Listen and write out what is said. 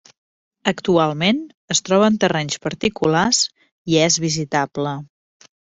Actualment es troba en terrenys particulars i és visitable.